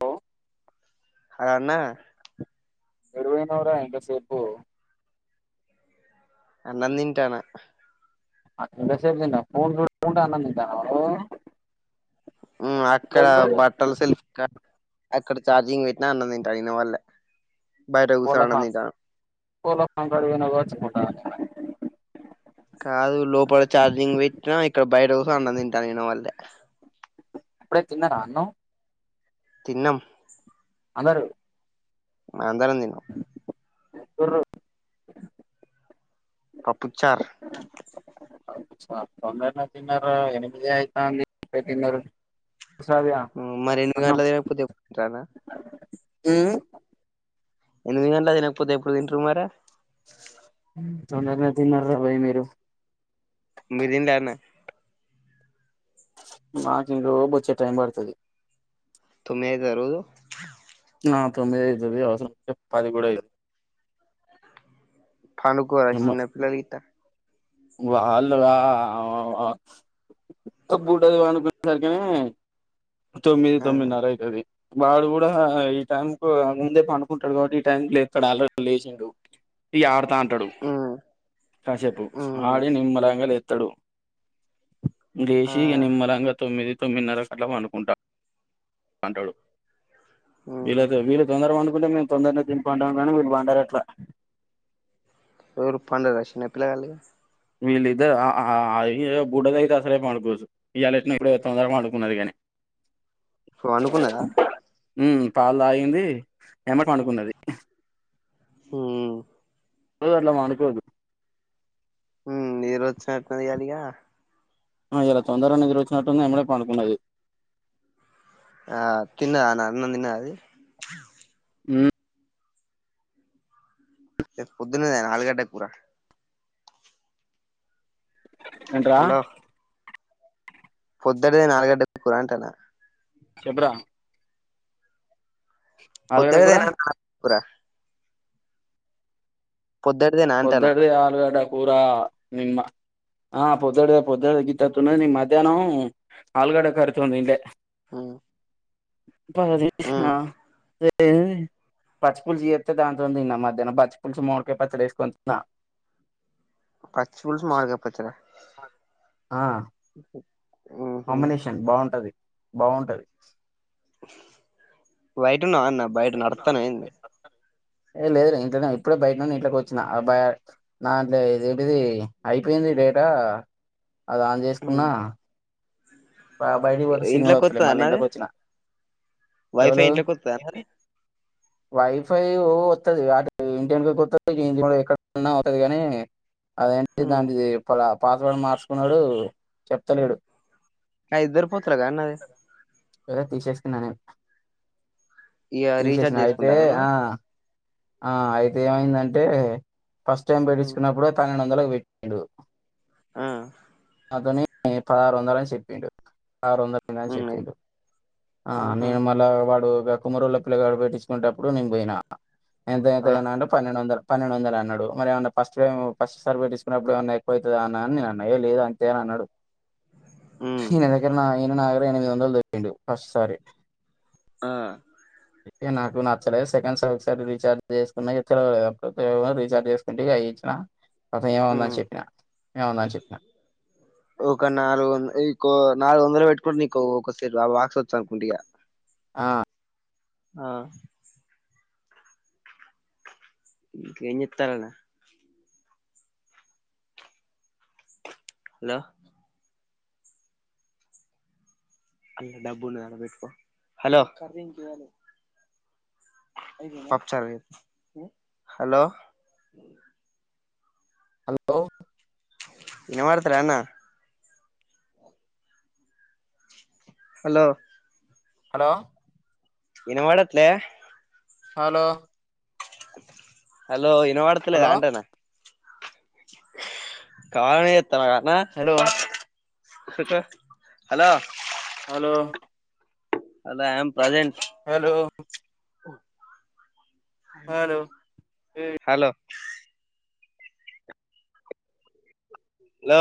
Hello హ అన్నా యెడు పొయినవురా ఇంత సేపు అన్నం దింటానా అ ఎంతసేపు దింటావ్ ఫోన్ జూడకుండా అన్నం దింటాన్నవా నువ్వు మ్మ్ అక్క బట్టల సెల్ఫ్ కా అక్కడ చార్జింగ్ బెట్టినా అన్నం దింట యినబడ్లే బైట కోళ్ల గూసోని అన్నం దింటన్నా నవు పోవచ్చు గా కాదు లోపల చార్జింగ్ బెట్టిన ఇక్కడ బయట గూసోని అన్నం తింటాన ఇనపడ్లే అప్పుడే తిన్నరా అన్నం తిన్నం అందరు అందరం తిన్నం గొర్రూ పప్పుచార్ తొందరనే తిన్నారు ఎనిమిదే అయితాంది అప్పుడే తిన్నారు శ్రావ్య ఉమ్ మరే ఎనిమిది గంటలకు తినకపోతే ఎప్పుడు దింటరన్నా ఉమ్ ఎనిమిది గంట్లకు దినకపోతే ఎప్పుడు దింటరు మరె తొందరనే తిన్నరా భై మీరు మీరు తినలే అన్న మాకిగో బొచ్చేడు టైం పడుతది తొమ్మిది అయితద రోజు ఆ తొమ్మి ఐతది అవసరాం ఐతే పది కూడా ఐతేది పండుకుర్ర చిన్న పిల్లలు గీట్ట వాళ్ళు గా ఒక్క పూట అనుకునేసరికినే తొమ్మిది ఆ తొమ్మిదిన్నర అవుతుది వాడు కూడా ఈ టైం కు ముందే పడుకుంటాడు కాబట్టి ఈ టైం లేత్తడు ఆల్రెడీ లేచిండు ఇగ ఆడతా అంటాడు ఉమ్ కాసేపు ఉమ్ ఆడి నిమ్మలాగా లే తడు ఆ లేశీ నిమ్మరంగా తొమ్మిది తొమ్మిదిన్నర కట్ల పండు ఉంటా అంటడు ఉమ్ వీళ్ళతే వీళ్ళ తొందర పన్ కంటే మేము తొందరనే పంట కానీ మీరు పండారు అట్లా ఎవరు పండరా చిన్న పిల్లగాళ్ళు వీళ్ళిద్దరు అ బుడద అయితే అసలే పండుకోదు ఈయల అట్లనో తొందర పడుకున్నది కానీ కా పాడుకున్నదా ఉమ్ పాలు తగింది ఏమటె పడుకున్నది ఉమ్ రోజు అట్ల పండుకోదు ఉమ్ చేతది గద ఇగ ఆ ఇయాలా తొందరనే నిద్రించినట్టుంది ఎమ్మటే పండుతున్నది ఆ తిన్ననాన్న తిన్నద అది ఉమ్ పొద్దున్నదే ఆలుగడ్డ కూరా ఏంట్రా పొద్దడిదేనా ఆలుగడ్డ కూర అంటనా చెప్పురా ఆలుగడ్డ కూర కొద్దడిదేనా అన్న ఆలుగడ్డ కూర పొద్దటిదేనా అంటానా పొద్దగడిదే ఆలుగడ కురా నిమ్మ ఆ పొద్దడిదే పొద్దుడ గితతునాది నిం మధ్యాహ్నం ఆల్గడ కర్రీ తోనీ తినలే ఉమ్ ప ఉమ్ [unintelligible] ఏ పచ్చి పులుసు చేస్తే దాంతో ఉంది నా మధహ్న పచ్చి పులుసు మామిడికాయ పచ్చడి వేసుకుని కొని తిన్నా పచ్చి పులుసు మామిడికాయ పచ్చడి ఆ ఉహు కాంబినేషన్ బావుంటది బావుంటది బయటన్నా అన్న బయట నడతావా ఏంది ఏ లేదు ఇంట్లో ఇప్పుడే బయట నుండి ఇంట్లోకి వచ్చిన నాంట్ ఇది ఏంటిది అయిపోయింది డేటా అది ఆన్ ఉమ్ చేసుకున్నా బాబా బయట సిగ్నల్ ఇంట్లోకి వాతలే వత్తదా మల్లి అన్న అది ఇంట్లోకి వచ్చినా వైఫై ఇంట్లో కొత్తదా వైఫై వస్తుది అ ఇంటి వెనక్కి వాతది ఎక్కడన్నా వతది కానీ అదేంటి ఉమ్ దాంటి ప పాస్వర్డ్ మార్చుకున్నాడు చెప్తలేడు కా ఇద్దరుపోతుగా నాక్ అన్నసి ఏద తీసేసుకున్నా నే ఇగ తీసేసిన రీఛార్జ్ అయితే చేసుకుంటావా ఆ నువ్వు ఆ అయితే ఏమైందంటే ఫస్ట్ టైం ఉమ్ పెట్టించకున్నప్పుడు తనను అందరికీ పెట్టిండు ఆ నాతోనే పదహారు వందల అన్ని చెప్పిండు కార్ వందద అని ఉమ్ అయి చెప్పిండు ఆ ఆహా నేను మళ్ళా వాడు కొమ్మరోళ్ల పిల్లగాడ పెట్టికుంటప్పుడు నేను పోయి ఎంత ఆ ఎంతనా అంటే పన్నెండు వందలు పన్నెండు వందలు అన్నాడు మరి ఏమన్నా ఫస్ట్ ఫస్ట్ సర్వే తీసుకున్నప్పుడు ఏమన్నా ఎక్కువవుతా అని నన్నా ఏ లేదు అంతే అని అన్నాడు ఉమ్ ఈయన దగ్గర నా ఈయన నాగర ఎనిమిది వందలు దొబ్బిండు ఫస్ట్ సారి ఆ ఏ నాకు నచ్చలేదు సెకండ్ రీచార్జ్ చేసుకు తెలియలేదుడు రీఛార్జ్ చేసుకుంటే అ ఇచ్చిన అత ఏమ ఉంద ఉమ్ అని చెప్పినా ఏమవుంద అని చెప్పినా ఒక నాలుగు వందలు ఎక్కువ నాలుగు వందలు పెట్టుకుడి నీకు ఒకస ఆ బాక్స్ వచ్చానుకుంట ఇగా ఆ ఆ ఏ చేతనవ్ హలో హలో హలో హలో ఇనబడత లేదా అన్న హలో హలో ఇనవాడట్లే హలో హలో ఇనోవాడుతులేదా హలో అంటేనా కామెడీ చేతనవన్న hello hello hello hello I'm present. Hello hello hello లో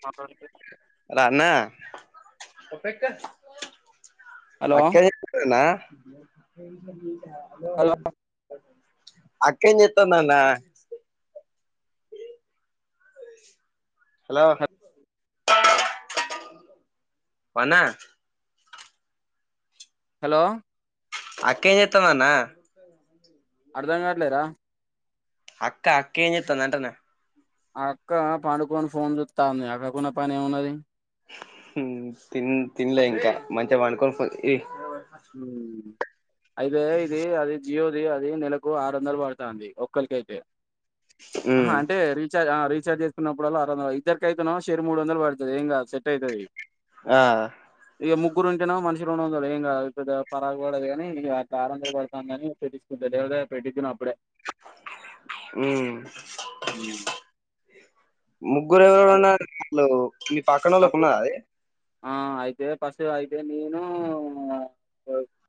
హలో హాలో అన్న అక్క జెప్పి హలో హలో [unintelligible] అక్కెం చెత్తందన్న. హాలో వో అన్న హలో అక్కెం చెత్తాందన్న. అర్ధం కావట్లేరా. అక్కా, అక్కెం చేత్తాంది అంటన్నా. ఆ అక్క పండుకొని ఫోన్ చుత్తాంది, అక్కకున్న పని ఏమున్నది. తిన్ తిన్లే ఇంకా, మంచిగా వాండుకొని ఫోన్ ఈ హుమ్మ్ అయితే ఇది, అది జియోది అది నెలకు ఆరు వందలు పడతంది ఒక్కలికైతే. ఆహా హ్మ్ అంటే రీచార్జ్, ఆ రీ ఛార్జ్ చేసుకున్నప్పుడల్ల, ఆరు వందలు. ఇద్దరికైతేనోమో షెరీ మూడు వందలు పడ్తది. ఏంకాద్ సేట్ అయితది. ఆ ఇగా ముగ్గురు ఉంటేమో మనిషికి రెండు వందలు ఏం కాదు పెద్ద పరాక్ పడదు గాని, ఇగా ఆరు వందలు పడతంది అని తె [unintelligible] [unintelligible] పెట్టికిన అప్పుడే ఉమ్ ము ముగ్గురెవరున్నార్ [unintelligible] మీ పక్కన ఓళ్ళకి అప్పుడు ఉన్నా అది. ఆ అయితే ఫస్ట్ అయితే నేను,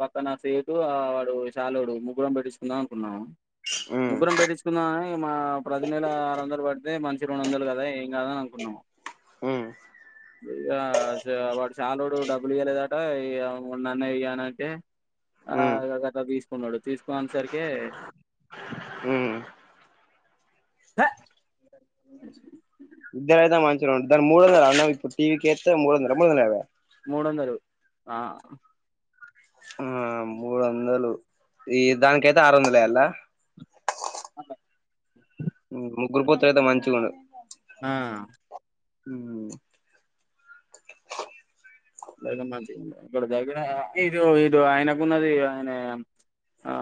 పక్కన సేటు ఆడు చాలోడు ముగ్గురం పెట్టిచ్చుకుందాం అనుకున్నాము. హ్మ్ ముగ్గురం పెట్టించుకుందామని, మా ప్రతి నెల ఆరొందలు పడి అదే మనిషి రెండు వందలు గదా, ఎంకాదు అని అనుకున్నాం. ఉమ్ ఇగా స వాడు శాలోడు డబ్బులు ఇయ్యాలేదట, ఇగా ఉన్న అన్న ఇయ్యానంటే, ఆ హ్మ్ ఇగ గట్ల తీసుకున్నాడు, తీసుకునే సరికె ఉమ్ ద ఇద్దరైతే మంచిగుండు. దానికి మూడువందల అన్న ఇప్పుడు టీవీకేత్తే మూడువదల, మూడువందల యాభై ఆ. మూడొందలు ఆ మూడు వందలు, ఈ దానికైతే ఆరు వందలేయలా. అదే గురు [unintelligible] తే మంచిగుండు. ఆ ఉమ్ లేదా మంచిగుండది. ఇక్కడ దగ్గర ఇది [unintelligible] ఆయనకున్నది ఆయనే ఆ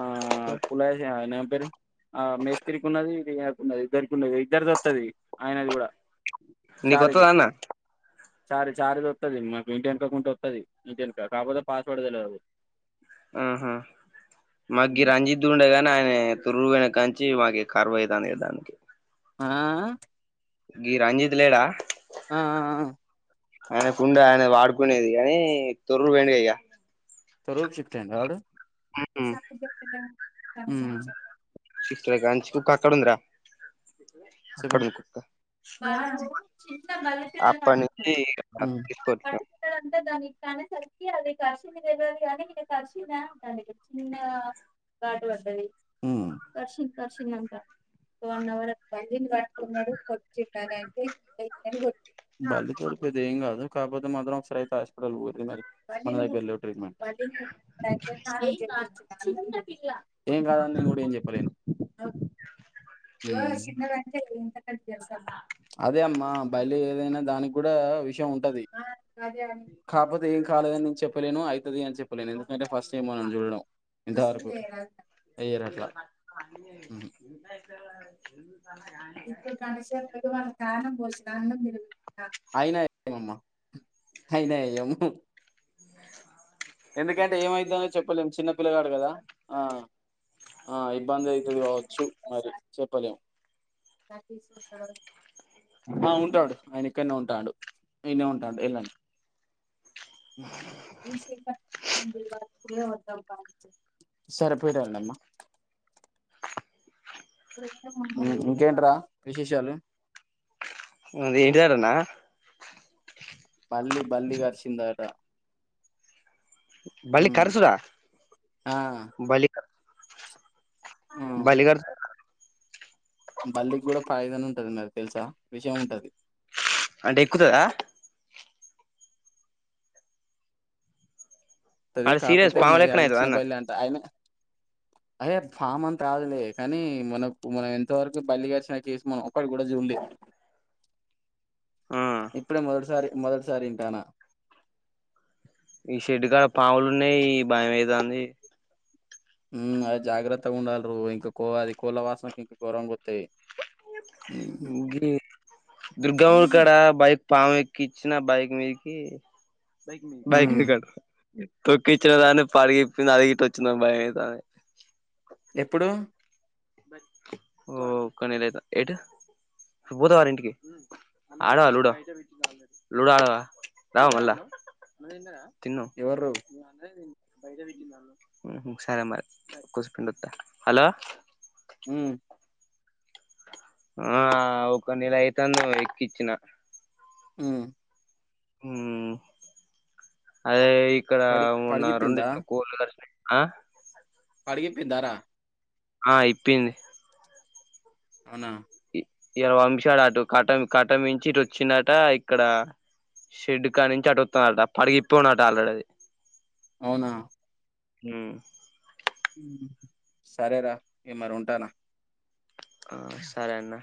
పులజీ ఆయనెం ఇద్దరీ ఆ మేస్త్రికున్నది, ఇది ఈయనకు ఉన్నది. ఇద్దరికి ఉన్నది, ఇద్దరిదత్తది. ఆయనది గుడా, చారీది నీకొత్తదా అన్న చారీ, చారీది అత్తది మాకు ఇంటెనీ [unintelligible] అత్తది ఇంటెనుక, కాక్పోతే పాస్వర్డ్ తెల్వదు. మ్ హూ మాకు రంజిత్ ఉండేగానీ ఆయన తొర్రు చీ మాకి కర్మ అయితాంది అయితాంది. ఆ ఈ రంజిత్ లేడా ఆ ఆయన కుండె ఆయన వాడుకునేది కాగానీ తొర్రు పోయిండు ఇక తరూర్ షిఫ్ట్ అయిండా వాడు. చిత్ర కంచెకు కట్టడుంది రా అక్కడినుంచా బాబు చిన్న బల్లిపిల్లని అప్పటి నుంచి పట్టుకున్నది తీసుకోవట్లే పట్టుకున్నదంటే దానికి అది కరిచిందా అంటాది కరిచే ఉంటది. గాట్ పడ్డది కరిచింది కరిచింది అంట వన్ అవర్ బల్లిని పట్టుకున్నాడు బల్లి పడితే ఏం కాదు కాకపోతే మాత్రం ఒకసారి హాస్పిటల్ కి పోరి మరి మన దగ్గర లేదు ట్రీట్మెంట్. అదిగో. చిన్న ఏం కాదని నేను కూడా ఏం చెప్పలేను. ఇన్సల్ట్ చేస్తా అదే అమ్ అమ్మో బల్లి ఐన దానికి కూడా విషయం ఉంటది కాకపోతే ఏం కాలేదని చెప్పలేను అయితాది అని చెప్పలేను. ఎందుకంటే ఫస్ట్ టైం మనం చూడడం ఇంతవరకు ఎయ్యరు అట్లా [unintelligible] ఇప్పుడు కంది చేను ప్రాణం పోసినా అందుకు నువ్వు అయినా ఏమికాదమ్మ అయినాయమ్ ఎందుకంటే ఏమైద్దో అని చెప్పలేము చిన్న పిల్లవాడు కదా ఆ ఆ ఇబ్బంది అవుతుంది కావచ్చు మరి చెప్పలేము. నాకీ సూత్తలోడు ఆ ఉంటాడు ఆయన ఇక్కడనే ఉంటాడు. ఈయనే ఉంటాడు వెళ్ళండి. ఈషిత సరిపోయిరాండమ్మా ఇంకేంట్రా విశేషాలు ఇంటి దగ్గర ఉన్నా బల్లి బల్లి కరిచిందట బల్లి ఉమ్ కరుస్తాద ఆ బల్లి ఉమ్ బల్లి కరుస్తాద బల్లికి కూడా పాయిజన్ ఉంటది మరి తెలుసా? విషయం ఉంటది. అంటే ఎక్కుతాదా? అది ఆడ సీరియస్ కాకపోతే పాము మరి లెక్కన అది అయితదా చిన్న అన్న బల్లి అంట ఆయన అయే పాము అంత కాదులే కానీ మనం మనం ఇంతవరకు బల్లి కరిచినా కేస్ మనం ఒక్కటి కూడా చూడలే. ఆ [inaudible] ఇప్పుడే మొటిసారి మొదటిసారి వింటున్నా. ఈ షెడ్డుకాడ పాములు ఉన్నాయి భయం అయితాంది. ఉ అదే జాగ్రత్తగా ఉండాలి రో ఇంకఅది కోళ్ల వాసనకు ఇంకా ఘోరంగా వత్తాయి. ఇంకేంటి. దుర్గఊర్ కాడ బైక్ పాము ఎక్కి ఇచ్చిన బైక్ మీదికి బైక్ ఉమ్ మీది కి కాదు తొక్కిచ్చిన దాన్ని పడిగి ఇప్పి అదె గిట్ల వచ్చిందా అని భయం అయితాంది. ఎప్పుడు ఒక్క నెల యితే ఏటు పోతావర ఇంటికి. ఆడవా లూడో లూడో ఆడవా రావ మల్ల తిను ఎవరు ఊహు సరే మరి కోసేపు ఉండొత్త హలో ఉమ్ ఆ ఒక నెల అయితాంది మరి ఎక్కిచ్చిన ఉమ్ అదే ఇక్కడ పడి ఉన్న పడిగిప్పిందా రొండు కోళ్లు కరిసినయ్ ఆ పడిగిప్పిందా రా ఆ ఇప్పింది అవునా ఇరవ వంశాడు అటు కటం కటమించి ఇటు వచ్చిండట ఇక్కడ షెడ్ కా నుంచి అటుతొన్నట పడిగిప్పునట ఆల్రెడీ అది అవునా ఊ సరేరా ఏ మరి ఉంటానా ఆ సరే అన్న